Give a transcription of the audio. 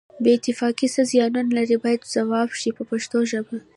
بې اتفاقي څه زیانونه لري باید ځواب شي په پښتو ژبه.